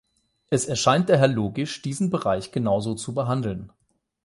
Es erscheint daher logisch, diesen Bereich genau so zu behandeln.